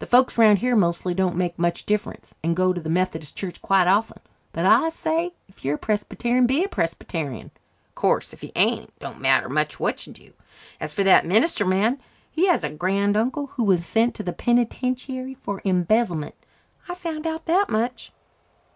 The folks round here mostly don't make much difference and go to the Methodist church quite often. But I say if you are a Presbyterian, be a Presbyterian. Of course, if you ain't, it don't matter much what you do. As for that minister man, he has a grand uncle who was sent to the penitentiary for embezzlement. I found out that much."